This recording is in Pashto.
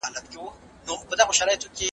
تفسیرونه د قران په پوهیدو کي مرسته کوي.